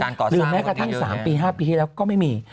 หรือแม้กระทั่ง๓ปี๕ปีที่แล้วก็ไม่มี